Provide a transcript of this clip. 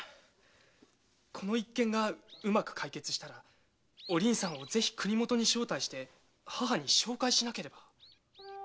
この一件がうまく解決したらお凛さんをぜひ国元に招待して母に紹介しなければ。